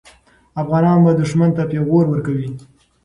افغانان به دښمن ته پېغور ورکوي.